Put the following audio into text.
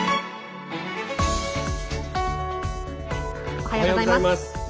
おはようございます。